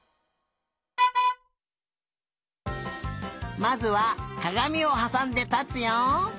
まずはかがみをはさんでたつよ。